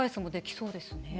そうですね